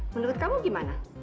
menurut kamu gimana